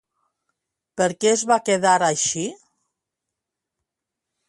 Per què es va quedar així?